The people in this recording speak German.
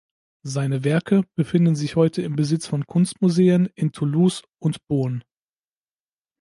Seine Werke befinden sich heute im Besitz von Kunstmuseen in Toulouse und Beaune.